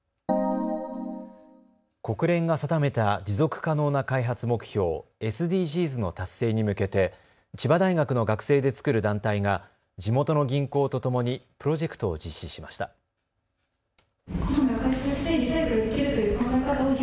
国連が定めた持続可能な開発目標・ＳＤＧｓの達成に向けて千葉大学の学生で作る団体が地元の銀行とともにプロジェクトを実施しました。